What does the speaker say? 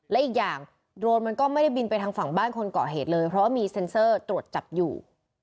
และอีกอย่างโดรนมันก็ไม่ได้บินไปทางฝั่งบ้านคนเกาะเหตุเลยเพราะว่ามีเซ็นเซอร์ตรวจจับอยู่